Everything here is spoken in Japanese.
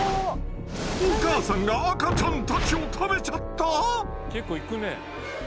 お母さんが赤ちゃんたちを食べちゃった⁉結構いくねえ。